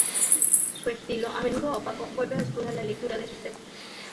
Su estilo, a menudo opaco, vuelve oscura la lectura de sus textos.